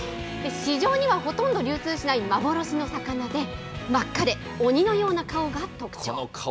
市場にはほとんど流通しない幻の魚で、真っ赤で鬼のような顔が特長。